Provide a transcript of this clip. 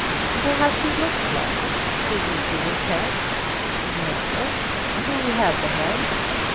"Perhaps he looked like it. Did you see his head?" "No." "Who had the head?"